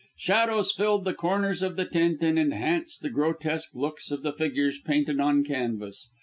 Shadows filled the corners of the tent and enhanced the grotesque looks of the figures painted on the canvas.